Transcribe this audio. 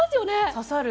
刺さる。